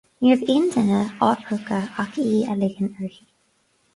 Ní raibh aon duine á priocadh ach í á ligean uirthi.